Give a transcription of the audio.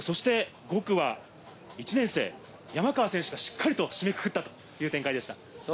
５区は１年生・山川選手がしっかりと締めくくったという展開でした。